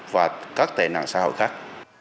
và các tệ nạn xã hội khác